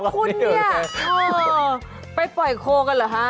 คุณเนี่ยไปปล่อยโคกันเหรอฮะ